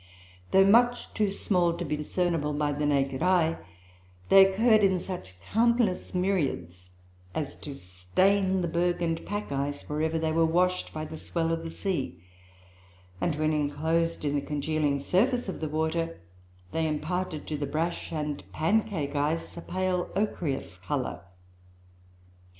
Though much too small to be discernible by the naked eye, they occurred in such countless myriads as to stain the berg and the pack ice wherever they were washed by the swell of the sea; and, when enclosed in the congealing surface of the water, they imparted to the brash and pancake ice a pale ochreous colour.